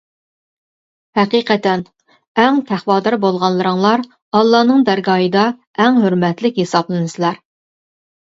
ھەقىقەتەن ئەڭ تەقۋادار بولغانلىرىڭلار ئاللانىڭ دەرگاھىدا ئەڭ ھۆرمەتلىك ھېسابلىنىسىلەر.